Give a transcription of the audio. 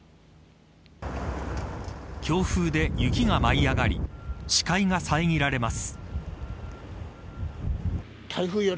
強風で雪が舞い上がり視界が遮られます。